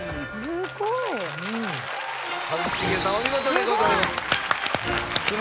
すごい！